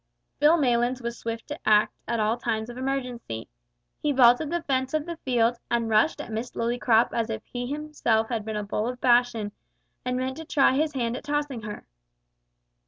Phil Maylands was swift to act at all times of emergency. He vaulted the fence of the field, and rushed at Miss Lillycrop as if he himself had been a bull of Bashan, and meant to try his hand at tossing her.